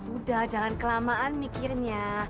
udah jangan kelamaan mikirnya